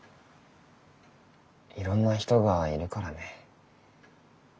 いろんな人がいるからね。